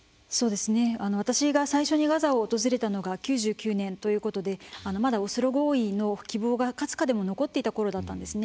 私が最初にガザを訪れたのが９９年ということでまだオスロ合意の希望がかすかでも残っていたころだったんですね。